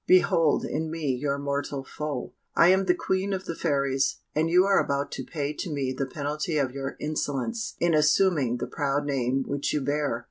"Behold in me your mortal foe. I am the Queen of the Fairies, and you are about to pay to me the penalty of your insolence in assuming the proud name which you bear."